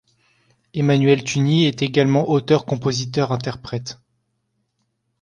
Emmanuel Tugny est également auteur-compositeur-interprète.